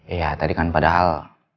iya tadi kan padahal